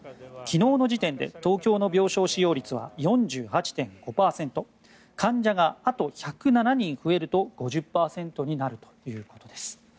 昨日の時点で東京の病床使用率は４８．５％患者があと１０７人増えると５０％になるということです。